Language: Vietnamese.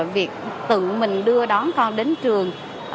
việc tự mình đưa đón con đến trường